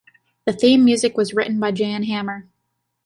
The theme music was written by Jan Hammer.